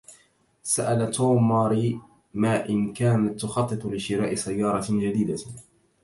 سأل توم ماري ما إن كانت تخطط لشراء سيارة جديدة.